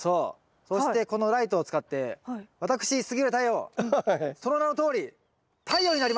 そしてこのライトを使って私杉浦太陽その名のとおりお！